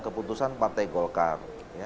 keputusan partai golkar